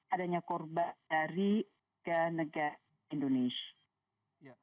adanya korban dari negara indonesia